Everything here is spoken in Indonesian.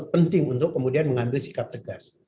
penting untuk kemudian mengambil sikap tegas